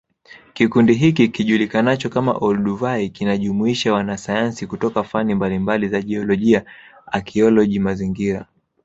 Kikundi hiki kijulikanacho kama Olduvai kinajumuisha wanasayansi kutoka fani mbalimbali za jiolojia akioloji mazingira